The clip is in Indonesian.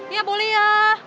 iya boleh ya